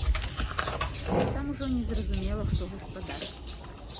Там ужо незразумела, хто гаспадар.